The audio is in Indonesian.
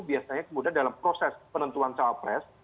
biasanya kemudian dalam proses penentuan calon pres